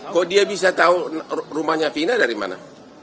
kok dia bisa tahu rumahnya vina dari mana